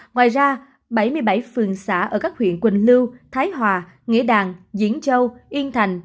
ngoài ra bảy mươi bảy phường xã ở các huyện quỳnh lưu thái hòa nghĩa đàn diễn châu yên thành